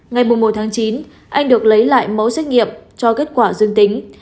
ngày một tháng chín anh được lấy lại mẫu xét nghiệm cho kết quả dương tính